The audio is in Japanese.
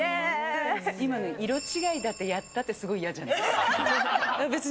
今ね、色違いだった、やったってすごい嫌じゃない？